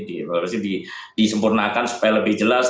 harus disempurnakan supaya lebih jelas